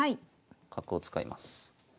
角を使います。